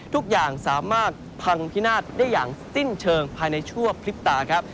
ทุกอย่างสามารถพังพินาศได้อย่างสิ้นเชิงภายในชั่วพลิบตาครับ